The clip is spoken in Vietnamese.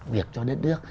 việc cho đất nước